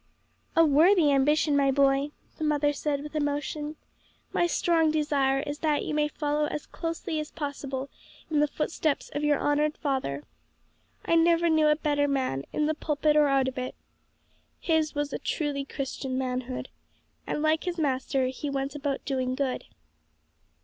"A worthy ambition, my boy," the mother said with emotion; "my strong desire is that you may follow as closely as possible in the footsteps of your honored father. I never knew a better man, in the pulpit or out of it. His was a truly Christian manhood, and, like his Master, he went about doing good."